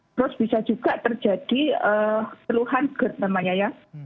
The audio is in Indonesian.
terus bisa juga terjadi kemuk mungkin karena kita terlalu banyak makan protein atau lemak